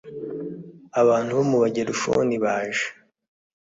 abantu bo mu Bagerushoni baje